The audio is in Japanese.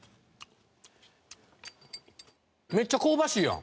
めっちゃ香ばしいやん。